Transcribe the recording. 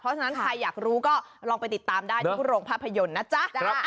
เพราะฉะนั้นใครอยากรู้ก็ลองไปติดตามได้ที่โรงภาพยนตร์นะจ๊ะ